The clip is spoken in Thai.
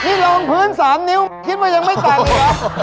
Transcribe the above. นี่รองพื้น๓นิ้วคิดว่ายังไม่แต่งหรือ